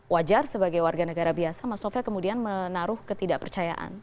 wajar sebagai warga negara biasa mas novel kemudian menaruh ketidakpercayaan